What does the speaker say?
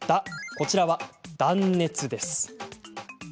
こちらは「断熱」です。